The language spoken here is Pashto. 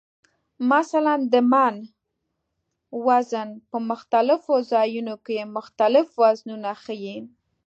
مثلا د "من" وزن په مختلفو ځایونو کې مختلف وزنونه ښیي.